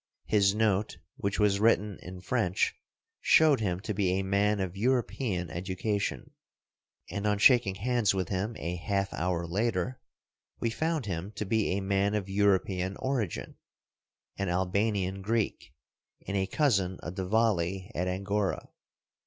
His note, which was written in French, showed him to be a man of European education; and on shaking hands with him a half hour later, we found him to be a man of European origin — an Albanian Greek, and a cousin of the Vali at Angora.